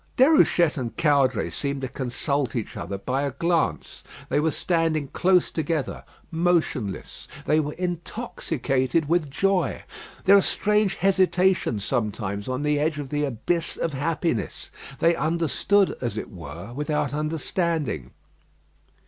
Déruchette and Caudray seemed to consult each other by a glance. They were standing close together motionless. They were intoxicated with joy. There are strange hesitations sometimes on the edge of the abyss of happiness. They understood, as it were, without understanding.